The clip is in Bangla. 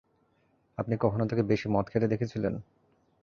আপনি কখনো তাঁকে বেশি মদ খেতে দেখেছিলেন?